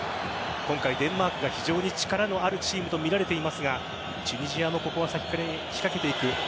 今回、デンマークが非常に力のあるチームと見られていますがチュニジアも仕掛けていく。